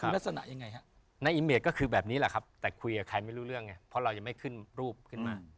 แต่คุยกับใครไม่รู้เรื่องไงเพราะเรายังไม่ขึ้นรูปขึ้นมา